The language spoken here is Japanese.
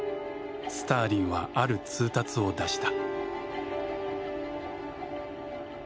スターリンはある通達を出した。